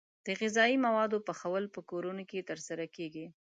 د غذايي موادو پخول په کورونو کې ترسره کیږي.